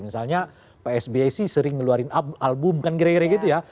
misalnya psb sih sering ngeluarin album kan kira kira gitu ya